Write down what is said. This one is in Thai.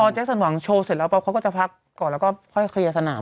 แจ็คสันหวังโชว์เสร็จแล้วปั๊บเขาก็จะพักก่อนแล้วก็ค่อยเคลียร์สนาม